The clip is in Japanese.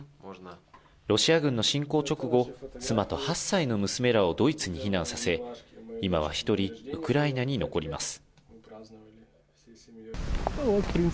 ロシア軍の侵攻直後、妻と８歳の娘らをドイツに避難させ、今は１人、ウクライナに残ります。